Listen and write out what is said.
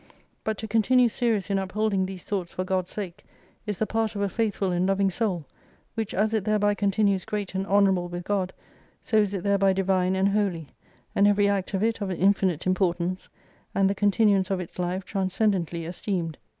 But to continue serious in upholding these thoughts for God's sake, is the part of a faithful and loving Soul : which as it thereby continues great and honorable with God, so is it thereby Divine and Holy : and every act of it of infinite importance : and the continuance of its life transcendently esteemed.